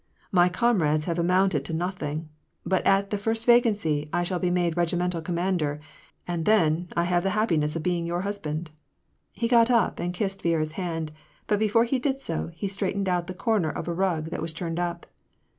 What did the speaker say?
—'^ My comrades have amounted to nothing, but, at the first vacancy, I shall be made regimental commander ; and then, 1 have the happiness of being your hus band." He got up and kissed Viera's hand, but before he did so, he straightened out the corner of a rug that was turned up.